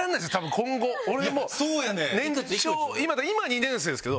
今２年生ですけど。